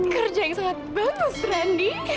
kerja yang sangat bagus randy